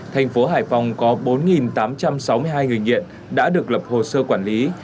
thành phố hải phòng có bốn tám trăm sáu mươi hai người nghiện đã được lập hồ sơ quản lý